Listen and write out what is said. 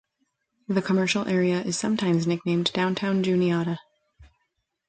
The commercial area is sometimes nicknamed downtown Juniata.